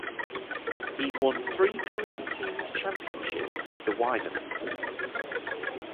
He won three Korean Series championships with the Wyverns.